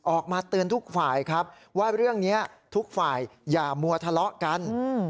ออกมาเตือนทุกฝ่ายครับว่าเรื่องนี้ทุกฝ่ายอย่ามัวทะเลาะกัน